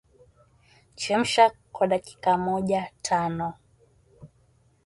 Chemsha kwa dakika mojatano